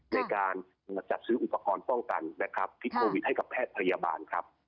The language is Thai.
ในการจัดซื้ออุปกรณ์ป้องกันที่โควิดให้กับแพทยาบาลครับ